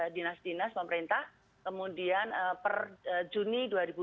dinas dinas pemerintah kemudian per juni dua ribu dua puluh